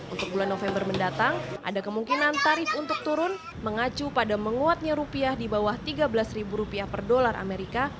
untuk bulan november mendatang ada kemungkinan tarif untuk turun mengacu pada menguatnya rupiah di bawah tiga belas rupiah per dolar amerika